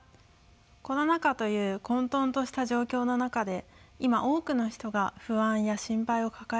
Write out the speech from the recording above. コロナ禍という混とんとした状況の中で今多くの人が不安や心配を抱えていると思います。